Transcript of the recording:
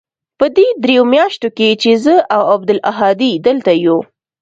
په دې درېو مياشتو کښې چې زه او عبدالهادي دلته يو.